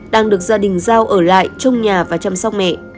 đang được gia đình giao ở lại trong nhà và chăm sóc mẹ